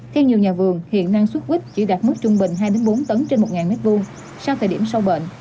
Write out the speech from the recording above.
theo nhiều nhà vườn hiện năng suất quýt chỉ đạt mức trung bình hai bốn tấn trên một m hai sau thời điểm sâu bệnh